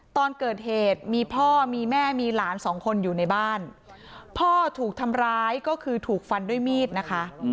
ตอนเกิดเหตุมีพ่อมีแม่มีหลานสองคนอยู่ในบ้านพ่อถูกทำร้ายก็คือถูกฟันด้วยมีดนะคะ